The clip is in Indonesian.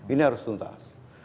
ini harus tuntas